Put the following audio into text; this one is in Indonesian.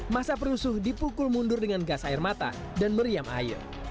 masa perusuh dipukul mundur dengan gas air mata dan meriam air